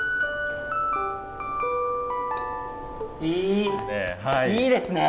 いいですね。